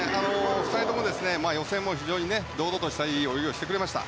２人とも予選も非常に堂々としたいい泳ぎをしてくれました。